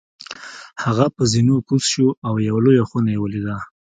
هغه په زینو کوز شو او یوه لویه خونه یې ولیده.